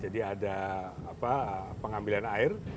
jadi ada pengambilan air